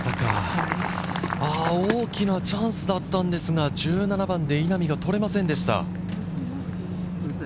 大きなチャンスだったんですけれど、１７番で稲見が取れませんでした。